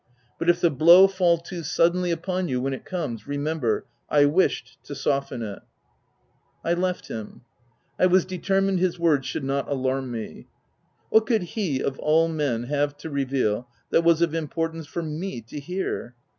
But if the blow fall too suddenly upon you when it comes, remember — I wished to soften it !" I left him. I was determined his words should not alarm me. What could he of all men, have to reveal that was of importance for me to hear?